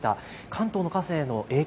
関東の河川への影響